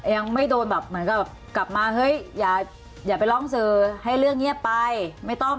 ยังไม่โดนแบบกลับมาเฮ้ยอย่าไปร้องเซอร์ให้เรื่องนี้ไปไม่ต้องอะไร